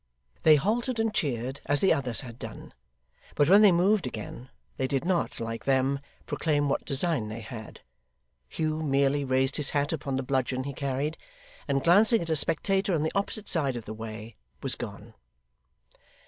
They halted and cheered, as the others had done; but when they moved again, they did not, like them, proclaim what design they had. Hugh merely raised his hat upon the bludgeon he carried, and glancing at a spectator on the opposite side of the way, was gone.